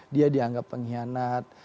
dia dianggap pengkhianat